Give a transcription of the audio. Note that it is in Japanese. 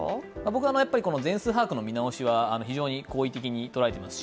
僕は全数把握の見直しは非常に好意的に捉えています。